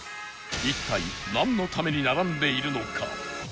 一体なんのために並んでいるのか？